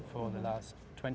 selama dua puluh tiga puluh tahun